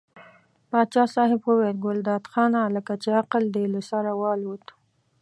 پاچا صاحب وویل ګلداد خانه لکه چې عقل دې له سره والوت.